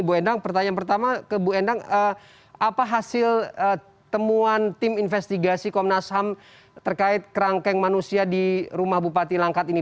bu endang pertanyaan pertama ke bu endang apa hasil temuan tim investigasi komnas ham terkait kerangkeng manusia di rumah bupati langkat ini